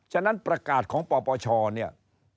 ฉะนั้นประกาศของปปชเนี่ย